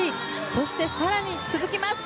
そして更に続きます。